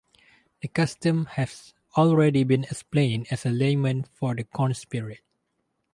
The custom has already been explained as a lament for the corn-spirit.